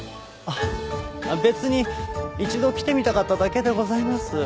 別に一度来てみたかっただけでございます。